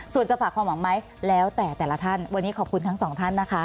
ส่วนจะฝากความหวังไหมแล้วแต่แต่ละท่านวันนี้ขอบคุณทั้งสองท่านนะคะ